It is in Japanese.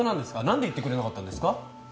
なんで言ってくれなかったんですか？